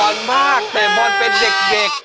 อ่อนมากเต็มบ้อนเป็นเด็ก